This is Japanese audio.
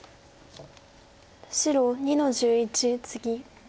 白２の十一ツギ。